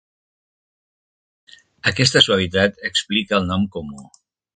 Aquesta suavitat explica el nom comú.